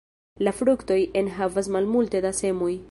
La fruktoj enhavas malmulte da semoj.